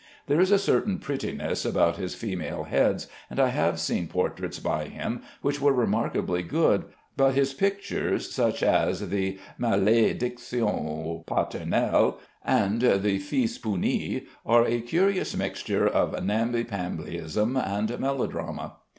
There is a certain prettiness about his female heads, and I have seen portraits by him which were remarkably good; but his pictures, such as "The Malédiction paternelle" and the "Fils puni," are a curious mixture of nambypambyism and melodrama.